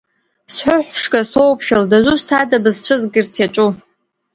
Сҳәыҳә-ԥшқа, соуԥшәыл, дызусҭада бысцәызгарц иаҿу…